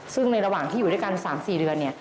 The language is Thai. ซึ่งในระหว่างที่อยู่ด้วยกันประมาณ๓๔เดือน